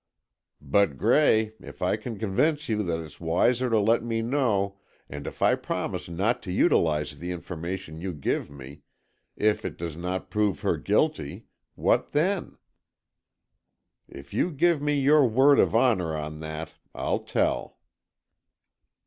"But, Gray, if I can convince you that it's wiser to let me know, and if I promise not to utilize the information you give me, if it does prove her guilty, what then?" "If you give me your word of honour on that, I'll tell."